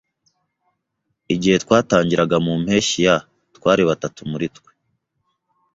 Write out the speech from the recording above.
Igihe twatangiraga mu mpeshyi ya , twari batatu muri twe.